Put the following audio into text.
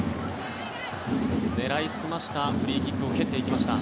狙い澄ましたフリーキックを蹴っていきました。